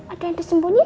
ada yang disembunyikan